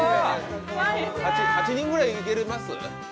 ８人ぐらいいけます？